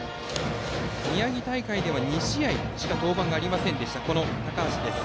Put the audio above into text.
宮城大会では２試合しか登板がなかった高橋です。